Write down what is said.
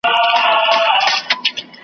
لښکر د ابوجهل ته به کلي تنها نه وي .